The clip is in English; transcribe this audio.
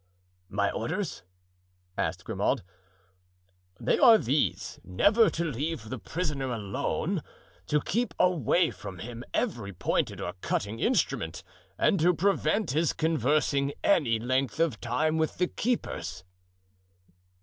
"My orders?" asked Grimaud. "They are these; never to leave the prisoner alone; to keep away from him every pointed or cutting instrument, and to prevent his conversing any length of time with the keepers."